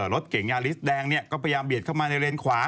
รถเก่งยาลิสแดงก็พยายามเบียดเข้ามาในเลนขวา